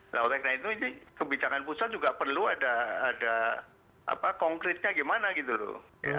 nah oleh karena itu ini kebijakan pusat juga perlu ada konkretnya gimana gitu loh